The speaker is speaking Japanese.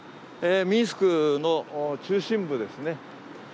ミンスクの中心部ですね。